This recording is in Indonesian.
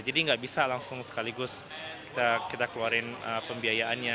jadi nggak bisa langsung sekaligus kita keluarin pembiayaannya